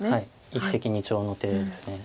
一石二鳥の手です。